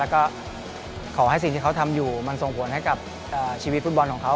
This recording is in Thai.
แล้วก็ขอให้สิ่งที่เขาทำอยู่มันส่งผลให้กับชีวิตฟุตบอลของเขา